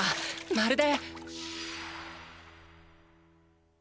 まるで。